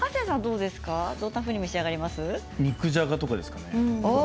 うちは肉じゃがとかですかね。